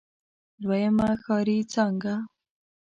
دويمه ښاري څانګه.